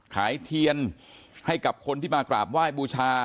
เทียนให้กับคนที่มากราบไหว้บูชา